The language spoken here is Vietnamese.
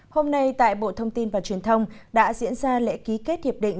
hôm nay tại bộ thông tin và truyền thông đã diễn ra lễ ký kết hiệp định